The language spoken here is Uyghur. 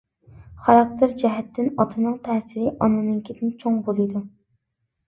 خاراكتېر جەھەتتىن ئاتىنىڭ تەسىرى ئانىنىڭكىدىن چوڭ بولىدۇ.